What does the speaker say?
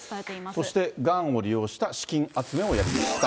そして、がんを利用した資金集めをやりました。